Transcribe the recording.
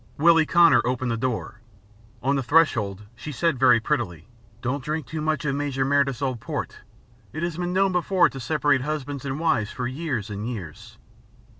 Willie Connor opened the door. On the threshold she said very prettily: "Don't drink too much of Major Meredyth's old port. It has been known before now to separate husbands and wives for years and years."